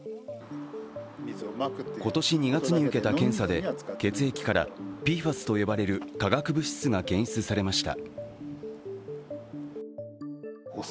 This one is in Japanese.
今年２月に受けた検査で血液からＰＦＡＳと呼ばれる化学物質が検出されました。